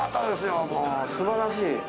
もうすばらしい。